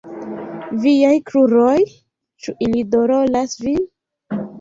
Viaj kruroj? Ĉu ili doloras vin?